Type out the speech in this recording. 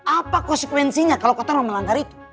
apa konsekuensinya kalau kota orang melanggar itu